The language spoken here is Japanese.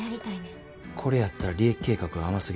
これやったら利益計画が甘すぎる。